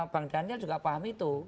bang daniel juga paham itu